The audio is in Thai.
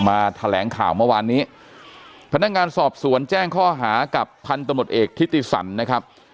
แถลงข่าวเมื่อวานนี้พนักงานสอบสวนแจ้งข้อหากับพันธมตเอกทิติสันนะครับ